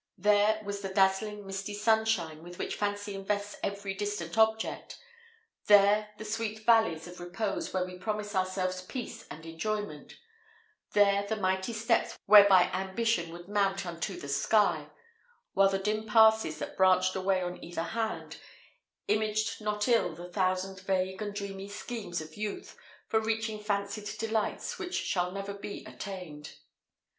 There, was the dazzling misty sunshine with which fancy invests every distant object there, the sweet valleys of repose where we promise ourselves peace and enjoyment there, the mighty steps whereby ambition would mount unto the sky; while the dim passes, that branched away on either hand, imaged not ill the thousand vague and dreamy schemes of youth for reaching fancied delights which shall never be attained.